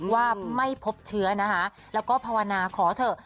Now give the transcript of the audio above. ว่าไม่พบเชื้อนะคะแล้วก็ภาวนาขอเถอะ